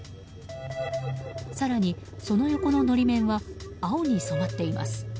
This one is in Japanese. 更に、その横の法面は青に染まっています。